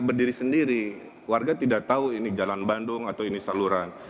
berdiri sendiri warga tidak tahu ini jalan bandung atau ini saluran seribu lima ratus tukang gorong gorong saya